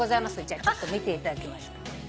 ちょっと見ていただきましょう。